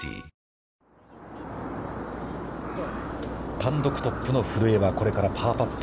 単独トップの古江は、これからパーパット。